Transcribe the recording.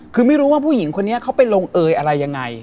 คือไม่รู้ว่าผู้หญิงคนนี้เขาไปลงเอยอะไรยังไง